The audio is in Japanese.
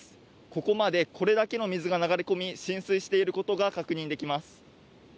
ここまでこれだけの水が流れ込み、浸水していることが確認できます。